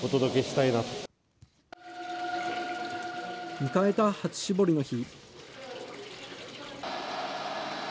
迎えた初しぼりの日。